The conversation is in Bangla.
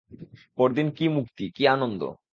পরদিন কী মুক্তি, কী আনন্দ।